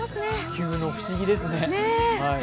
地球の不思議ですね。